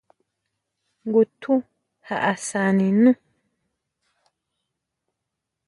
Ngutjun jaʼásani nú.